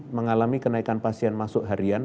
mengalami kenaikan pasien masuk harian